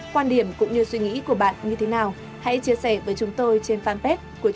quan điểm cũng như suy nghĩ của bạn như thế nào hãy chia sẻ với chúng tôi trên fanpage của truyền hình công an nhân dân